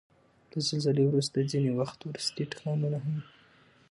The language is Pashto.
له زلزلې وروسته ځینې وخت وروستی ټکانونه هم وي.